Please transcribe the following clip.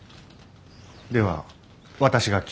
では私が聞こう。